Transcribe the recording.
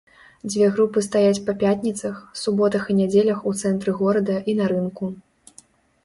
Дзве групы стаяць па пятніцах, суботах і нядзелях у цэнтры горада і на рынку.